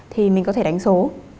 thì mình có thể đánh số